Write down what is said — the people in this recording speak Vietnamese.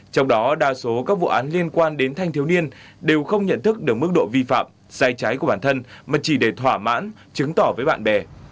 trong đó đa số các vụ án liên quan đến thanh thiếu niên đều không nhận thức được mức độ vi phạm sai trái của bản thân mà chỉ để thỏa mãn chứng tỏ với bạn bè